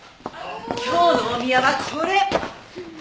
今日のおみやはこれ！